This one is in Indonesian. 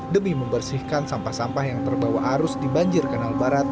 demi membersihkan sampah sampah yang terbawa arus di banjir kanal barat